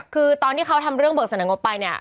คือตอนที่เขาทำเรื่องเบิกเสนองบไปเนี่ย